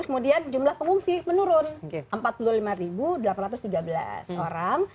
kemudian jumlah pengungsi menurun empat puluh lima delapan ratus tiga belas orang